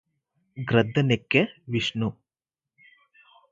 గ్రద్దనెక్కె Vishnu